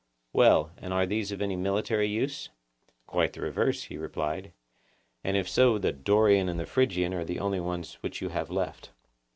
Well, and are these of any military use? Quite the reverse, he replied; and if so the Dorian and the Phrygian are the only ones which you have left.